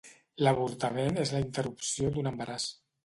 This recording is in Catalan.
L'avortament és la interrupció d'un embaràs.